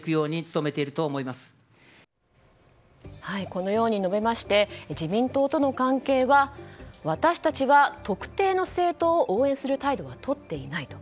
このように述べまして自民党との関係は私たちは特定の政党を応援する態度はとっていないと。